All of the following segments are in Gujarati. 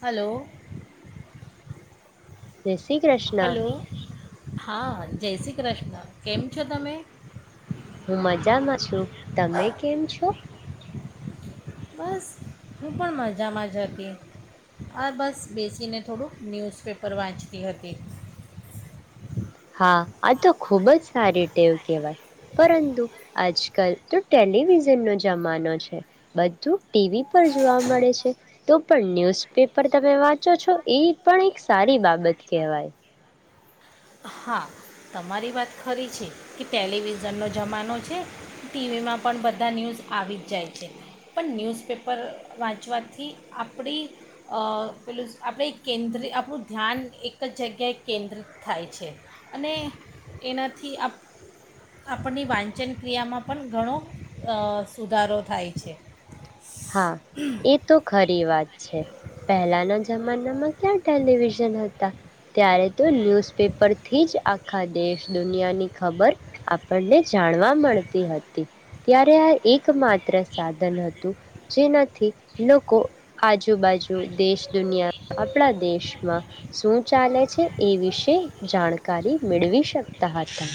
હલો [unintelligible] [unintelligible] શ્રી કૃષ્ણ હલો હા જય શ્રી કૃષ્ણ. કેમ છો તમે? હું મજામાં છું, તમે કેમ છો? બસ હું પણ મજામાં જ હતી આ બસ બેસીને થોડુંક ન્યૂઝપેપર વાંચતી હતી. હા આ તો ખુબ જ [unintelligible] ટેવ કહેવાય પરંતુ આજ કલ તો ટેલિવિઝન નો જમાનો છે, બધું ટીવી પર જોવા મળે છે, તો પણ ન્યૂઝપેપર તમે વાંચો છો એ પણ એક સારી બાબત કહેવાય. હા તમારી વાત ખરી છે કે ટેલિવિઝનનો જમાનો છે, ટીવીમાં પણ બધા ન્યૂઝ આવી જ જાય છે, પણ ન્યૂઝપેપર વાંચવાથી આપણી પેલું આપણે કેન્દ્ર આપણું ધ્યાન એક જ જગ્યાએ કેન્દ્રિત થાય છે. અને એનાથી આપ આપણની વાંચનક્રિયામાં પણ ઘણો [unintelligible] સુધારો થાય છે. હા એ તો ખરી વાત છે, પહેલાના જ જમાનામાં ક્યાં ટેલિવિઝન હતા. ત્યારે તો ન્યૂઝપેપરથી જ આખા દેશ દુનિયાની ખબર આપણને જાણવા મળતી હતી ત્યારે આ એક એક માત્ર સાધન હતું. જેનાથી લોકો આજુબાજુ દેશ દુનિયા આપણા દેશમાં શું ચાલે છે, એ વિશે જાણકારી મેળવી શકતા હતા.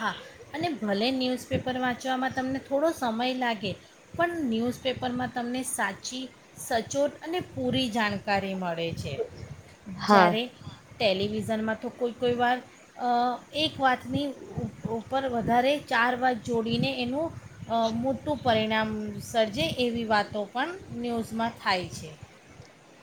હા અને ભલે ન્યૂઝપેપર વાંચવામાં તમને થોડો સમય લાગે પણ ન્યૂઝપેપરમાં તમને સાચી સચોટ અને પૂરી જાણકારી મળે. મળે છે, હા જ્યારે ટેલિવિઝનમાં તો કોઈ કોઈ વાર એક વાતની ઉપર વધારે ચાર બાજુ જોડીને એનું [unintelligible] મોટું પરિણામ સર્જે એવી વાતો પણ ન્યૂઝમાં થાય છે.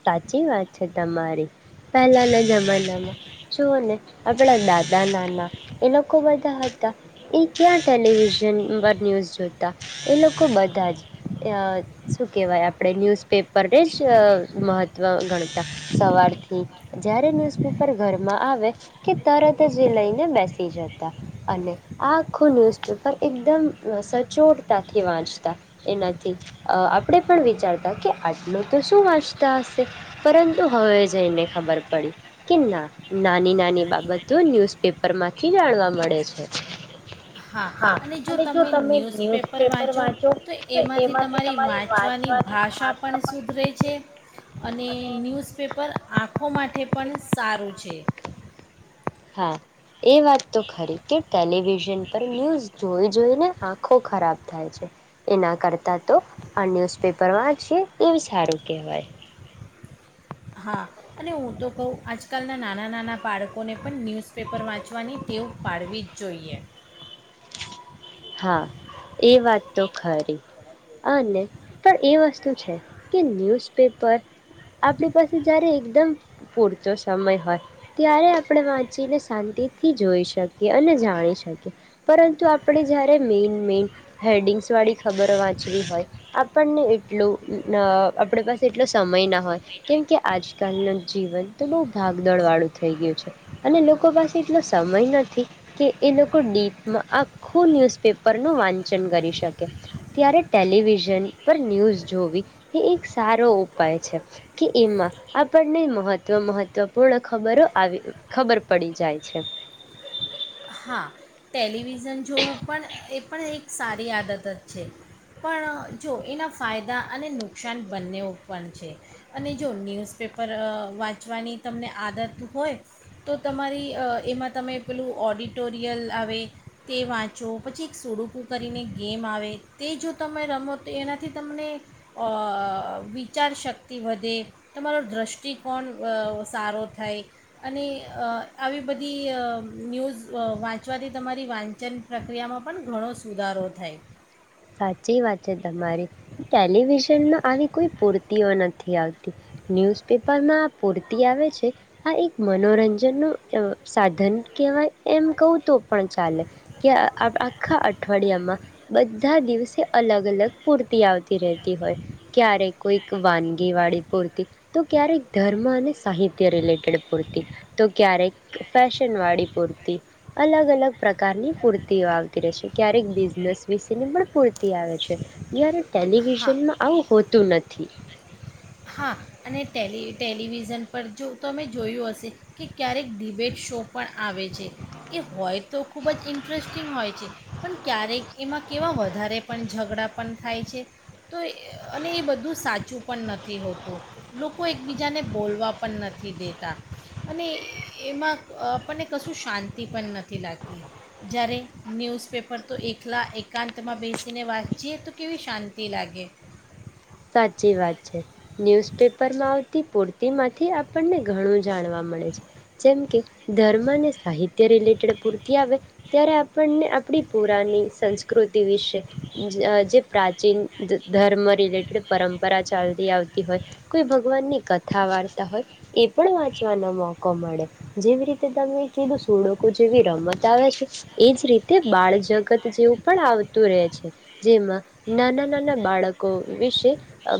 સાચી વાત છે તમારી પહેલાના જમાનામાં જુઓ ને આપણા દાદા ના ના એ લોકો બધા એ ક્યાં ટેલિવિઝન [unintelligible] ન્યૂઝ જોતા એ લોકો બધા જ શું કહેવાય આપણે [unintelligible] ન્યૂઝપેપરને જ મહત્વ ગણતા સવારથી જ્યારે ન્યૂઝપેપર ઘરમાં આવે કે તરત જ લઈને બેસી જતા અને આખું ન્યૂઝપેપર એકદમ સચોટતાથી વાંચતા એનાથી આપણે પણ વિચારતા કે આટલું તો શું વાંચતા [unintelligible] હશે પરંતુ હવે જઈને ખબર પડી કે ના નાની નાની બાબતો ન્યૂઝપેપર માંથી જાણવા મળે છે. હા અને જો તમે ન્યૂઝપેપર વાંચો તો એમાંથી તમારી વાંચવાની ભાષા પણ સુધરે છે. અને ન્યૂઝપેપર આંખો માટે પણ સારું છે. હ [unintelligible] એ વાત તો ખરી કે ટેલિવિઝન પર ન્યૂઝ જોઈ જોઈને આંખો ખરાબ થાય છે, એના કરતાં તો આ ન્યૂઝપેપર વાંચીએ એવી સારું કહેવાય. હા અને હું તો કહું આજકાલના નાના નાના બાળકોને પણ ન્યૂઝપેપર વાંચવાની ટેવ પાડવી જ જોઈએ. હા એ વાત તો ખરી હને પણ એ વસ્તુ કે [unintelligible] પેપર આપણી પાસે જ્યારે એકદમ પૂરતો સમય હોય ત્યારે આપણે વાંચીને શાંતિથી જોઈ શકીએ અને જાણી શકીએ પરંતુ આપણે જ્યારે મેઈન મેઈન હેડિંગ્સવાળી ખબર વાંચવી હોય આપણને એટલું આપણી પાસે એટલો સમય નાખ હોયે કેમ કે આજ આજકાલનું જીવન તો બોહ ભાગદળ વાળું થઈ ગયું છે અને લોકો પાસે એટલો સમય નથી કે એ લોકો ડીપમાં આ ખું ન્યૂઝપેપર નું વાંચન કરી શકે ત્યારે ટેલિવિઝન પર ન્યૂઝ જોવી એ એક સારો ઉપાય છે કે એમાં આપણને મહત્વ મહત્વપૂર્ણ ખબરો આવી ખબર પડી જાય છે. હા ટેલીવિ ઝન જોવું પણ એ પણ એક સારી આદત જ છે પણ જો એના ફાયદા અને નુકસાન બંનેઓ પણ છે અને જો ન્યૂઝપેપર અ વાંચવાની તમને આદત હોય તો તમારી અ એમાં તમે પેલું ઓડિટ ટુટોરિયલ આવે તે વાંચો પછી એક સુડુકું કરીને ગેમ આવે તે જો તમે રમો તો એનાથી તમને અ વિચારશક્તિ વધે તમારો દ્રષ્ટિકોણ અ સારો થાય અને અ આવી અ બધી ન્યૂઝ વાંચવાથી તમારી વાંચન પ્રક્રિયામાં પણ ઘણો સુધારો થાય. સાચી વાત છે તમારી. ટેલિવિઝનના આવી કોઈ પૂર્તિઓ નથ. નથી આવતી ન્યૂઝપેપરમાં આ પૂરતી આવે છે, આ એક મનોરંજનનું અ સાધન કહેવાય એમ કહું તો પણ ચાલે કે આ આખા અઠવાડિયામાં બધ બધા દિવસે અલગ અલગ પૂર્તિ આવતી રહેતી હોય ક્યારેક કોઈક વાનગીવાળી પૂર્તિ તો ક્યારેક ધર્મ અને સાહિત્ય રિલેટેડ પૂર્તિ તો ક્યારેક ફેશનવાળી પૂર્તી અલગ અલગ પ્રકારની પૂર્તિઓ આવતી રહેશે ક્યારેક બિઝનેસ વિશે તેની પણ પૂરતી આવે છે, જ્યારે હા ટેલિવિઝનમાં આવું હોતું નથી. હા, અને ટેલી ટેલિવિઝન પર જો તમે જોયું હશે કે ક્યારેક ડિબેટ શો પણ આવે છે એ હોય તો ખૂબ જ ઇન્ટરેસ્ટિંગ હોય છે. પણ ક્યારેક એમાં કેવા વધારે પણ ઝઘડા પણ થાય છે તો અને એ બધું સાચું પણ નથ નથી હોતું લોકો એકબીજાને બોલવા પણ નથી દેતા અને એમાં આપણને કશું શાંતિ પણ નથી લાગતી જ્યારે ન્યૂઝપેપર તો એકલા એકાંતમાં બેસીને વાંચીએ તો કેવી શાંતિ લાગે. સાચી વાત છે ન્યૂઝપેપરમાં આવતી પૂર્તિમાંથી આપણને ઘણું જાણવા મળે છે. જેમ કે ધર્મ અને સાહિત્ય રિલેટેડ પૂરતી આવે ત્યારે આપણને આપણી પુરાની સંસ્કૃતિ વિશે જ જે પ્રાચીન ધ ધર્મ રિલેટેડ પરંપરા ચાલતી આવતી હોય કોઈ ભગવાનની કથા વાર્તા હોય એ પણ વાંચવાનો મોકો મળે જેવી રીતે તમે કીધું સુળકો જેવી રમત આવે છે, એ જ રીતે બાળ જગત જેવું પણ આવતું રહે છે. જેમાં નાના નાના બાળકો વિશે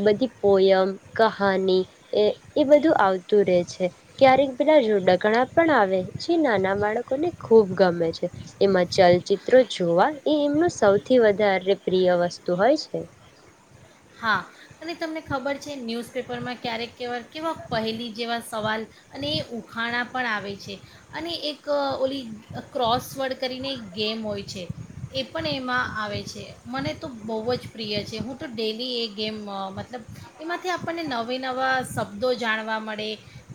બધી પોયમ કહાની એ એ બધું આવતું રહેે છે, ક્યારેક પેલા જોડાકણા પણ આવે જે નાના બાળકોને ખૂબ ગમે છે. એમાં ચલચિત્રો જોવા એ એમનું સૌથી વધારે પ્રિય વસ્તુ હોય છે. હા, અને તમને ખબર છે ન્યૂઝપેપરમાં ક્યારેક કેવા કેવા પહેલી જેવા સવાલ અને એ ઉખાણા પણ આવે છે અને એક ઓલી ક્રોસવર્ડ કરીને એક ગેમ હોય છે, એ પણ એમાં આવે છે મને તો બહુ જ પ્રિય છે હું તો ડેલી એ ગેમ મતલબ એમાંથી આપણને નવા નવા શબ્દો જાણવા મળે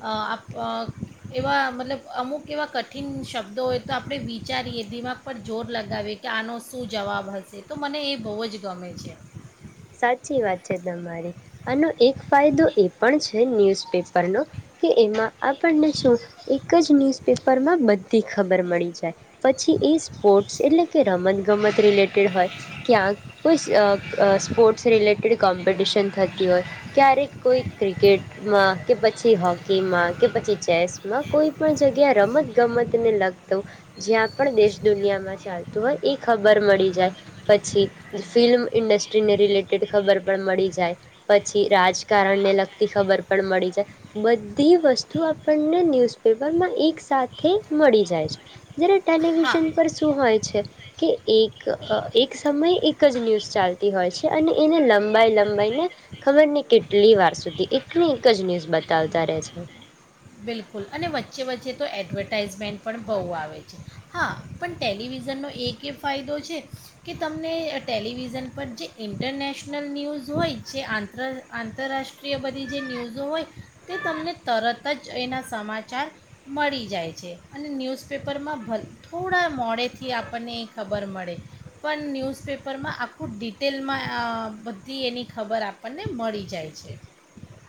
અ-અ એવા મતલબ અમુક એવા કઠિન શબ્દો હોય તો આપણે વિચારીએ દિમાગ પર જોર લગાવીએ કે આનો શું જવાબ હશે તો મને એ બહુ જ ગમે છે. સાચી વાત છે, તમારી આનો એક ફાયદો એ પણ છે. ન્યૂઝપેપરનો કે એમાં આપણને શું એક જ ન્યૂઝપેપરમાં બધી ખબર મળી જાય પછી એ સ્પોર્ટ્સ એટલે કે રમત ગમત રિલેટેડ હોય ક્યાં કોઈ અ-અ સ્પોર્ટ્સ રિલેટેડ કોમ્પિટિશન થતી હોય ક્યારેક કોઈ ક્રિકેટમાં, કે પછી હોકીમાં, કે પછી ચેસમાં, કોઈ પણ જગ્યા રમતગમતને લગતું જ્યાં પણ દેશ દુનિયામાં ચાલતું હોય એ ખબર મળી જાય પછી ફિલ્મ ઇન્ડસ્ટ્રી ઇન્ડસ્ટ્રી ને રિલેટેડ ખબર પણ મળી જાય, પછી રાજકારણને હા લગતી ખબર પણ મળી જાય, બધી વસ્તુ આપણને ન્યૂઝપેપરમાં એક સાથે મળી જાય છે. જયારે હા ટેલિવિઝન પર શું હોય છે કે એક અ એક સમયે એક જ ન્યૂઝ ચાલતી તી હોય છે અને એને લંબાઈ લંબાઈને ખબર નહી કેટલી વાર સુધી એક ની એક જ ન્યૂઝ બતાવતા રહે છે. બિલકુલ અને વચ્ચે વચ્ચે તો એડવર્ટાાઈઝમેન્ટ પણ બહુ આવે છે હા પણ ટેલિવિઝનનો એક એ ફાયદો છે કે તમને ટેલિવિઝન પર જે ઇન્ટરનેશનલ ન્યૂઝ હોય જે આંતર આંતરરાષ્ટ્રીય બધી જે ન્યૂઝો હોય તે તમને તરત ત જ એના સમાચાર મળી જાય છે અને ન્યૂઝપેપરમાં ભ થોડા મોડેથી આપણને એ ખબર મળે પણ ન્યૂઝપેપરમાં આખું ડિટેલમાં અ બધી એની ખબર આપણને મળી જાય છે.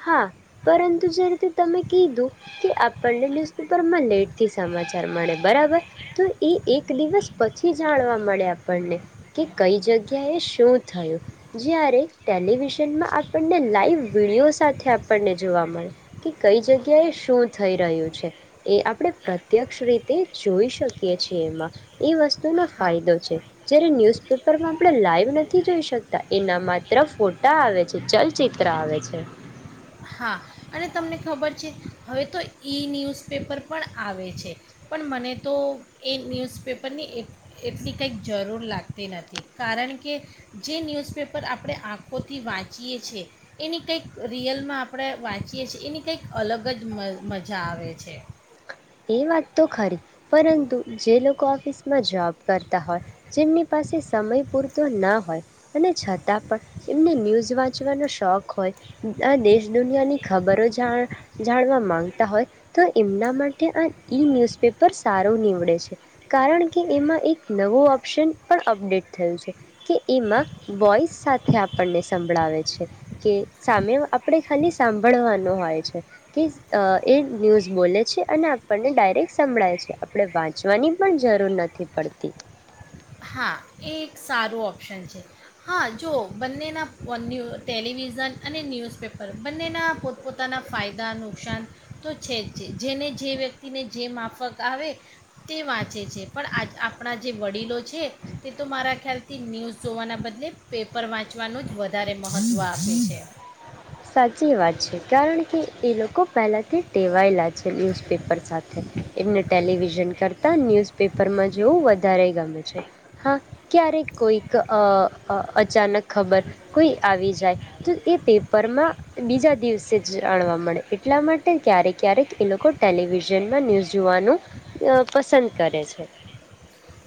હા, પરંતુ જે રીતે તમે કીધું કે આપણને ન્યુઝપેપરમાં લેટથી સમાચાર મળે બરાબર તો એ એક દિવસ પછી જાણવામાં મળે આપણને કે કઈ જગ્યા એ શું થયો? જ્યારે ટેલિવિઝન માં આપણને લાઈવ વિડિઓઝ સાથે આપણને જોવા મળે કે કઈ જગ્યા એ શું થઈ રહ્યું છે એ આપણે પ્રત્યક્ષ રીતે જોઈ શકીએ છીએ એમાં એ વસ્ત તુ નો હા ફાયદો છે જયારે ન્યુઝપેપરમાં આપણે લાઈવ નથી જોઈ શકતા એના માત્ર ફોટા આવે છે, ચલચિત્ર આવે છે. હા, અને તમને ખબર છે હવે તો ઈ-ન્યૂઝપેપર પણ આવે છે પણ મને તો એ ન્યૂઝપેપરની એ એ એટલી કંઈક જરૂર લાગતી નથી કારણ કે જે ન્યૂઝપેપર આપણે આંખોથી વાંચીએ છીએ એ એની કંઈક રિયલમાં આપ આપણે વાંચીએ છીએ એની કંઈક અલગ જ મ મજા આવે છે. એ વાત તો ખરી પરંતુ જે લોકો ઓફિસમાં જોબ કરતા હોય જેમની પાસે સમય પૂરતો ન હોય અને છતાં પણ એમને ન્યૂઝ વાંચવાનો શોખ હોય આ દેશ દુનિયાની ખબરો જાણ જાણવા માગતા હોય તો એમના માટ ટે આ ઇ-ન્યૂઝપેપર સારું નીવડે છે કારણ કે એમાં એક નવો ઓપ્શન પણ અપડેટ થયું છે કે એમાં વોઇસ સાથે આપણને સંભળાવે છે કે સામે આપણે ખાલી સાંભળવાનો હોય છે કે અ એ ન્યૂઝ બોલે છે અને આપણને ડાયરેક્ટ સંભળાય છે આપણે વાંચવાની પણ જરૂર નથી પડતી. હા એ એક સારું ઓપ્શન છે હા જો બંનેના ન્યૂ ટેલિવિઝન અને ન્યૂઝપેપર બંનેના પોતપોતાના ફાયદા નુકસાન તો છે જ છે જેને જે વ્યક્તિને જે માફક આવે તે વાંચે છે પણ આ આપણા જે વડીલો છે તે તો મારા ખ્યાલથી ન્યૂઝ જોવાના બદલે પેપર વાંચવાનું જ વધારે મહત્ત્વ આપે છે સાચી વાત છે કારણ કે એ લોકો પહેલાથી ટેવાયેલા છે ન્યૂઝપેપર સાથે એમને ટેલિવિઝન કરતા ન્યૂઝપેપરમાં જોવું વ વધારે ગમે છે હા ક્યારેક કોઈક અ અ અચાનક ખબર કોઈ આવી જાય તો એ પેપ પરમાં બીજા દિવસે જ જાણવા મળે એટલા માટે ક્યારેક ક્યારેક એ લોકો ટેલિવિઝનમાં ન્યૂઝ જોવાનું પસંદ કરે છે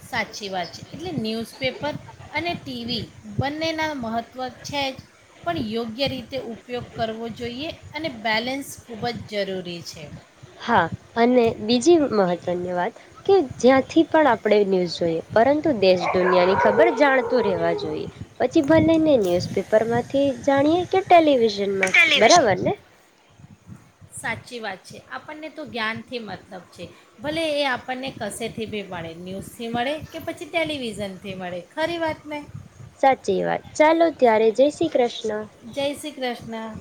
સાચી વાત છે એટલે ન્યૂઝ પેપર અને ટીવી બંનેના મહત્ત્વ છે પણ યોગ્ય રીતે તે ઉપયોગ કરવો જોઈએ અને બેલેન્સ ખૂબ જ જરૂરી છે હા અને બીજી મહત્વની વાત કે જ્યાંથી પણ આપ આપણે ન્યૂઝ જોઈએ પરંતુ દેશ દુનિયાની ખબર જાણતું રહેવા જોઈ પછી ભલે ને ન્યુઝ પેપર માંથી જાણીએ કે ટેલિ વિશન માં થી બરાબર ને સાચી વાત છે આપણને તો જ્ઞાનથી મતલબ છે ભલે એ આપણને કશેથી બી મળે ન્યૂઝથી મળે કે પછી ટેલિવિઝનથી મળે ખરી વાત મેં સાચી વાત ચાલો ત્યારે જય શ્રી કૃષ્ણ જય શ્રી કૃષ્ણ